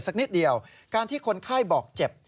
สักนิดเดียวการที่คนไข้บอกเจ็บ